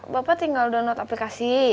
bapak tinggal download aplikasi